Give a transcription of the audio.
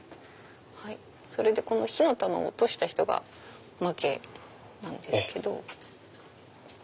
それでこの火の玉を落とした人が負けなんですけど。